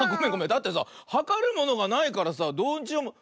だってさはかるものがないからさどうしようも。